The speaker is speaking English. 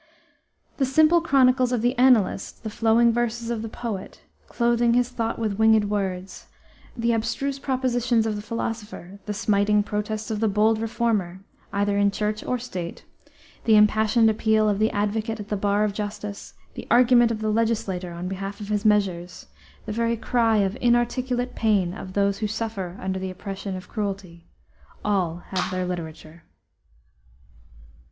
The simple chronicles of the annalist, the flowing verses of the poet, clothing his thought with winged words, the abstruse propositions of the philosopher, the smiting protests of the bold reformer, either in Church or State, the impassioned appeal of the advocate at the bar of justice, the argument of the legislator on behalf of his measures, the very cry of inarticulate pain of those who suffer under the oppression of cruelty, all have their literature.